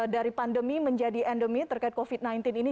dari pandemi menjadi endemi terkait covid sembilan belas ini